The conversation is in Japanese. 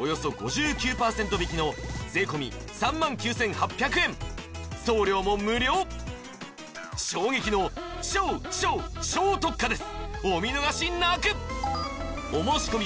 およそ５９％引きの税込３万９８００円送料も無料衝撃の超超超特価です